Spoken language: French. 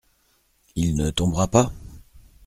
Il ne tombera pas ?